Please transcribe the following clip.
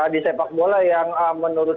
di sepak bola yang menurut